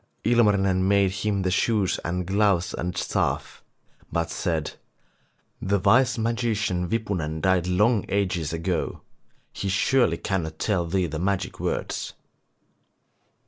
Ilmarinen made him the shoes and gloves and staff, but said: 'The wise magician Wipunen died long ages ago, he surely cannot tell thee the magic words.